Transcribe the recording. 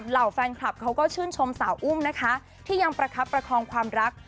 เหล่าแฟนคลับเขาก็ชื่นชมสาวอุ้มนะคะที่ยังประคับประคองความรัก